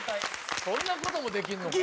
そんな事もできるのか。